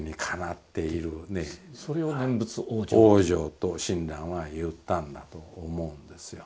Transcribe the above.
と親鸞は言ったんだと思うんですよ。